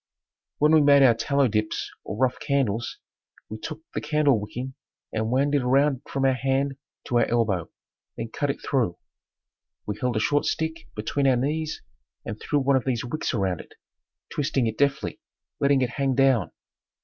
When we made our tallow dips or rough candles, we took the candlewicking and wound it around from our hand to our elbow, then cut it through. We held a short stick between our knees and threw one of these wicks around it, twisting it deftly, letting it hang down.